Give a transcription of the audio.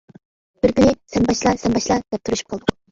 بىر كۈنى «سەن باشلا، سەن باشلا» دەپ تۇرۇشۇپ قالدۇق.